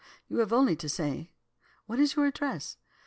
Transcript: you have only to say. What is your address?